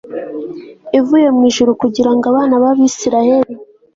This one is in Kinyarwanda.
ivuye mu ijuru kugira ngo abana bAbisiraheli